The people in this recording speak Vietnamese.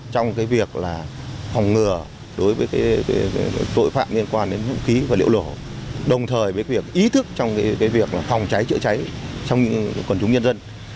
trong việc phòng ngừa đối với tội phạm liên quan đến vũ khí và liệu nổ đồng thời với việc ý thức trong việc phòng cháy chữa cháy trong quần chúng nhân dân